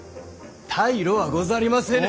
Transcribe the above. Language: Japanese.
退路はござりませぬ。